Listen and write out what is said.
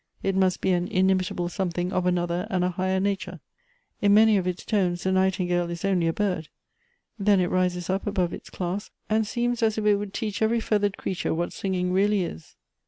It must be an inimi table something of another and a higher nature. In many of its tones the nightingale is only a bird ; then it rises up above its class, and seems as if it would teach every feathered creature what singing really is."